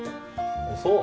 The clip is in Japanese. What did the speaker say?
そう？